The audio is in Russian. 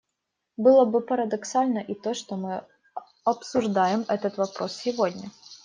Было бы парадоксально и то, что мы обсуждаем этот вопрос сегодня.